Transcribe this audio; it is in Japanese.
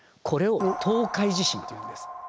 これを東海地震というんです。